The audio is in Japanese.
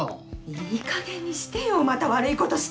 いいかげんにしてよまた悪いことして！